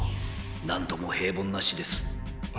何とも平凡な死です。